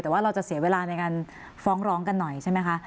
แต่ว่าเราจะเสียเวลาในการฟ้องร้องกันหน่อยใช่ไหมคะ